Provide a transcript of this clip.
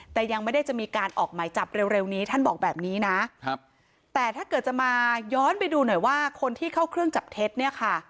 แต่ยังไม่ได้จะมีการออกหมายจับเร็วนี้ท่านบอกแบบนี้นะครับแต่ถ้าเกิดจะมาย้อนไปดูหน่อยว่าคนที่เข้าเครื่องจับเท็จเนี่ยค่ะ